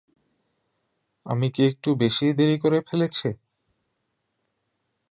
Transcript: আমি কি একটু বেশীই দেরি করে ফেলেছি?